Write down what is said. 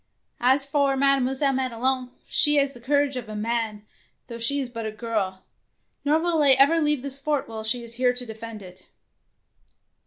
As for Mademoiselle Madelon, she has the courage of a man, though she is but a girl, nor will I ever leave this fort while she is here to defend it."